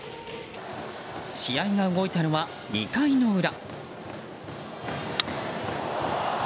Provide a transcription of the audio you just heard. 試合が動いたのは２回の裏。